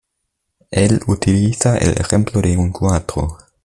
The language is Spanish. Él utiliza el ejemplo de un cuadro.